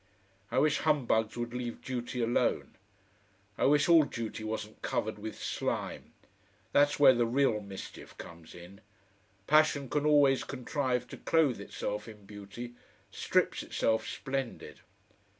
I wish humbugs would leave duty alone. I wish all duty wasn't covered with slime. That's where the real mischief comes in. Passion can always contrive to clothe itself in beauty, strips itself splendid.